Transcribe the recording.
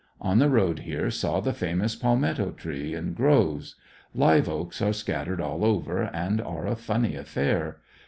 On the ro'ad here saw the famous palmetto tree in groves. Live oaks are scattered all over, and are a funny affair.